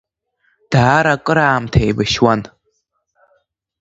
Даара акыр аамҭа еибашьуан.